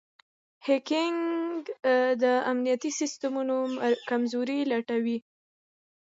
هیکنګ د امنیتي سیسټمونو کمزورۍ لټوي.